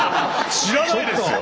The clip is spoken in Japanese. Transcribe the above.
知らないですよ！